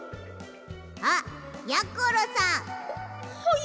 あっやころさん！ははい！